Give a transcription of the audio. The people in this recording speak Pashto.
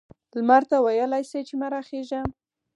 لمر ته ویلای شي چې مه را خیژه؟